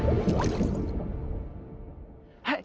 はい！